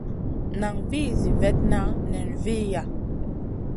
Nan vih zi vetna nen viya.